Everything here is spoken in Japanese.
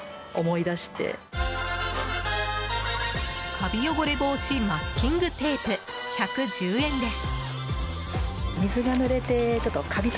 カビ汚れ防止マスキングテープ１１０円です。